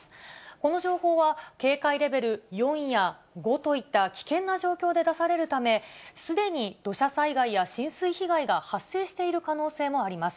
この情報は、警戒レベル４や５といった危険な状況で出されるため、すでに土砂災害や浸水被害が発生している可能性もあります。